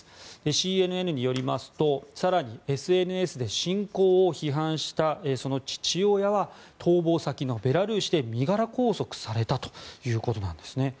ＣＮＮによりますと更に、ＳＮＳで侵攻を批判したその父親は逃亡先のベラルーシで身柄拘束されたということなんですね。